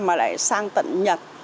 mà lại sang tận nhật